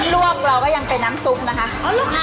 ลวกเราก็ยังเป็นน้ำซุปนะคะ